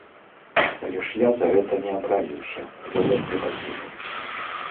Але ж я за гэта не абразіўся, завод не пакінуў.